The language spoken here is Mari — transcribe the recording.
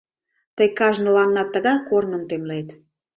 Тый кажныланна тыгай корным темлет.